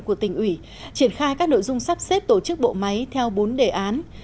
của tỉnh ủy triển khai các nội dung sắp xếp tổ chức bộ máy theo bốn đề án